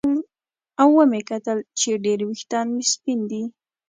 او ومې کتل چې ډېر ویښتان مې سپین دي